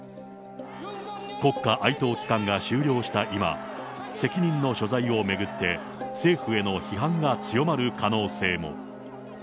国家哀悼期間が終了した今、責任の所在を巡って、政府への批判が強まる可能性も。